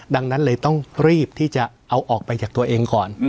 ดังนั้นเลยต้องรีบที่จะเอาออกไปจากตัวเองก่อน